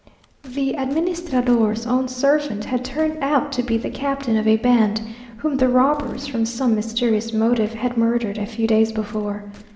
The administrador's own servant had turned out to be the captain of a band! whom the robbers, from some mysterious motive, had murdered a few days before.